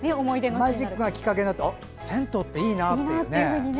マジックがきっかけで銭湯っていいなってね。